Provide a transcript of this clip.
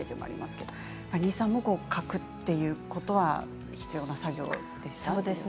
西さんも書くということは必要な作業でしたか？